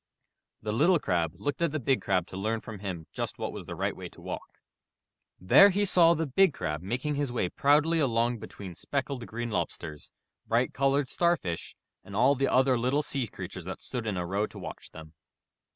The Little Crab looked at the Big Crab to learn from him just what was the right way to walk. There 113 MY BOOK HOUSE he saw the Big Crab making his way proudly along between speckled green lobsters, bright colored star fish, and all the other little sea creatures that stood in a row to watch them.